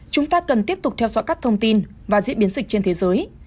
chúng ta cần tiếp tục theo dõi các thông tin và diễn biến dịch trên thế giới